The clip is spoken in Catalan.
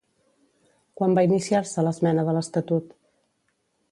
Quan va iniciar-se l'esmena de l'estatut?